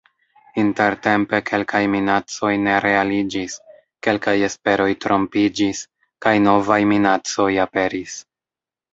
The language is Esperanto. Intertempe kelkaj minacoj ne realiĝis, kelkaj esperoj trompiĝis, kaj novaj minacoj aperis.